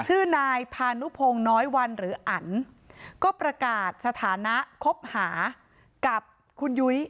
ชื่อนายพานุพงศ์น้อยวันหรืออันก็ประกาศสถานะคบหากับคุณยุ้ย